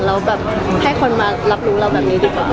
แล้วแบบให้คนมารับรู้เราแบบนี้ดีกว่า